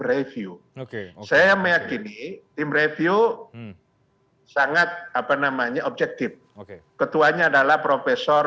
review oke saya meyakini tim review sangat apa namanya objektif oke ketuanya adalah profesor